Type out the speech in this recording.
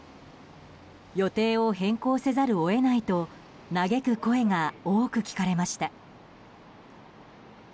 予定を変更せざるを得ないと嘆く声が多く聞かれました。